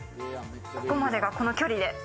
ここまでがこの距離で。